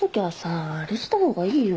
あれした方がいいよ。